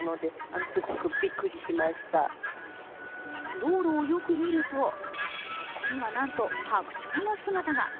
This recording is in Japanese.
道路をよく見るとそこにはなんとはくちょうの姿が。